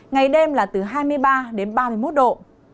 ngày đêm là từ hai mươi ba đến ba mươi một độ